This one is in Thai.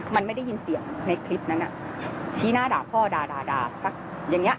มันไม่ได้ยินเสียงในคลิปนั้นชี้หน้าด่าพ่อด่าด่าสักอย่างเงี้